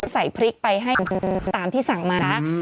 ใส่พริกไปให้กินตามที่สั่งมานะ